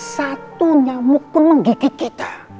satu nyamuk pun menggigit kita